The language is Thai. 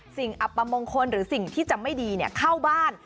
อับประมงคลหรือสิ่งที่จะไม่ดีเข้าบ้าน